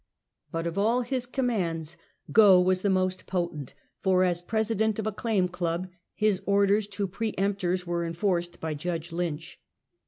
But of all his commands "go "was most potent; for, as presi dent of a claim club, his orders to pre emptors were enforced by Judge Lynch.